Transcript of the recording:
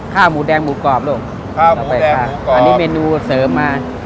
ข้าวหมูแดงหมูกรอบลูกข้าวหมูแดงอันนี้เมนูเสริมมา